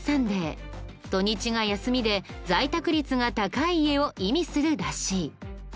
土日が休みで在宅率が高い家を意味するらしい。